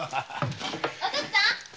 お父っつぁん！